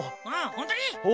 ほんとに！